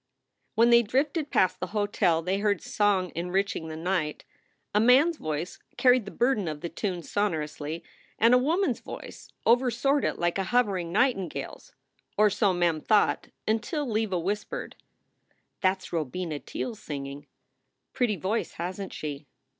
When they drifted past the hotel they heard song enriching the night. A man s voice carried the burden of the tune sonorously, and a woman s voice oversoared it like a hovering nightingale s. Or so Mem thought until Leva whispered: "That s Robina Teele singing. Pretty voice, hasn t she?"